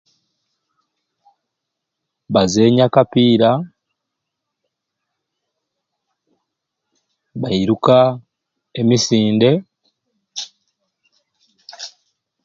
Bazenya akapiira, bairuka emisinde.